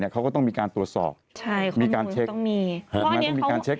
เขาก็ต้องมีการตรวจสอบมีการเช็ค